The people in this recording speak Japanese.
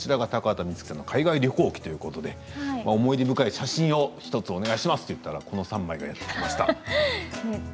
海外旅行記ということで思い出深い写真をお願いしますといったらこの３枚がやってきました。